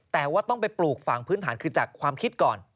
แต่ว่าต้องไปปลูกฝั่งพื้นฐานคือจากความคิดก่อน